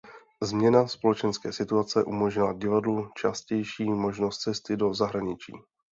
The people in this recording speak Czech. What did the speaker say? Změna společenské situace umožnila divadlu častější možnost cesty do zahraničí.